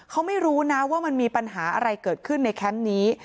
เขาไม่รู้นะว่ามันมีปัญหาอะไรเกิดขึ้นในแคมป์นี้